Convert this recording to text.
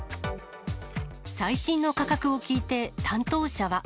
最新の価格を聞いて、担当者は。